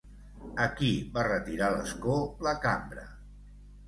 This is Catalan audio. A qui va retirar l'escó la cambra?